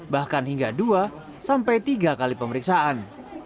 bahkan hingga dua sampai tiga kali pemeriksaan